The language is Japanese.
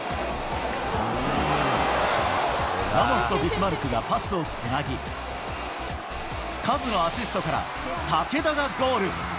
ラモスとビスマルクがパスをつなぎ、カズのアシストから、武田がゴール。